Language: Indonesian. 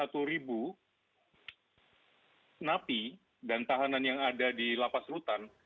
dari sekitar dua ratus tujuh puluh satu ribu napi dan tahanan yang ada di lapas rutan